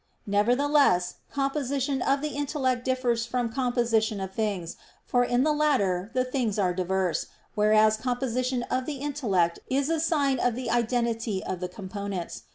Nevertheless composition of the intellect differs from composition of things; for in the latter the things are diverse, whereas composition of the intellect is a sign of the identity of the components.